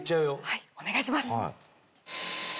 はいお願いします。